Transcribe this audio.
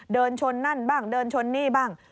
เดินชนนั่นบ้างเดินชนนี่บ้าง